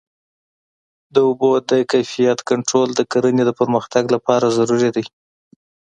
د اوبو د کیفیت کنټرول د کرنې د پرمختګ لپاره ضروري دی.